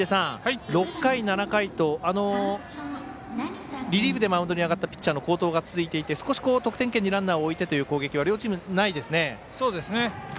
６回、７回とリリーフでマウンドに上がったピッチャーの好投が続いていて少し得点圏にランナーを置いてという攻撃は両チームないですね。